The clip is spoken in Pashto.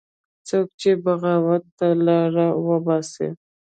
څوک چې بغاوت ته لاره وباسي